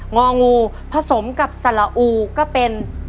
งองูผสมกับสละอูก็เป็น